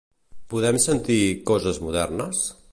Podem sentir "Coses modernes"?